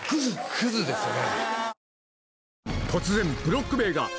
クズですよね。